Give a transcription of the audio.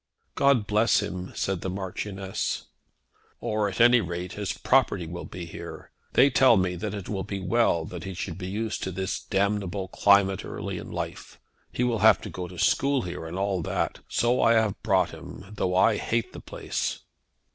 "God bless him!" said the Marchioness. "Or at any rate his property will be here. They tell me that it will be well that he should be used to this damnable climate early in life. He will have to go to school here, and all that. So I have brought him, though I hate the place."